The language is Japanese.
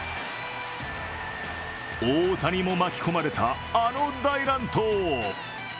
大谷も巻き込まれた、あの大乱闘。